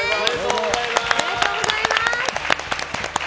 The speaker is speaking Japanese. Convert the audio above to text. おめでとうございます！